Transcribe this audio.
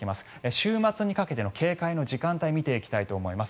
週末にかけての警戒の時間帯見ていきたいと思います。